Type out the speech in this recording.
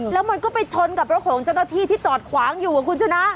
แล้วมันก็ไปชนกับรถของเจ้าหน้าที่ที่จอดขวางอยู่คุณชนะ